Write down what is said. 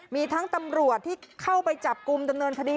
มีทั้งตำรวจที่เข้าไปจับกลุ่มดำเนินคดี